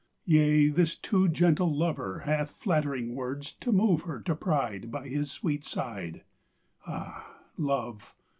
Yea, this too gentle Lover Hath flattering words to move her To pride By His sweet side. Ah, Love!